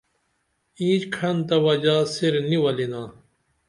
اینچ کھعن تہ وجہ سیر نی ولی نہ